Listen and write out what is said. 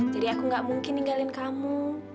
jadi aku gak mungkin ninggalin kamu